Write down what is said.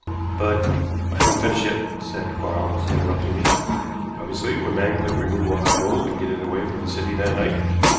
"But " "I haven't finished yet," said Quarles, interrupting me. "Obviously one man couldn't remove all that gold and get it away from the city that night.